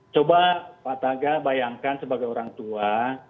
coba pak taga bayangkan sebagai orang tua